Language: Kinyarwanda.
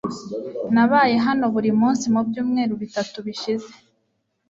Nabaye hano buri munsi mubyumweru bitatu bishize